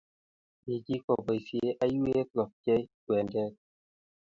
Lechi koboisie aiywet ko pchee kwendet